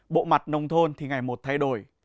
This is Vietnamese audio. bộ mặt nông thôn thì ngày một thay đổi